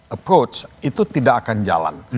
approach itu tidak akan jalan